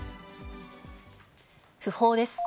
訃報です。